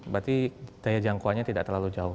berarti daya jangkauannya tidak terlalu jauh